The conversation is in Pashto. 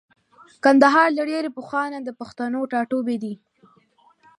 کندهار له ډېرې پخوانه د پښتنو ټاټوبی دی.